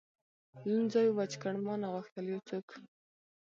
لوند ځای وچ کړ، ما نه غوښتل یو څوک.